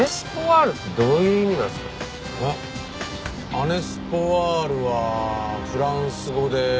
「アネスポワール」はフランス語で。